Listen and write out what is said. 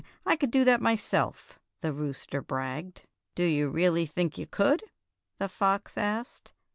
I could do that myself," the rooster bragged. "Do you really think you could?" the fox asked.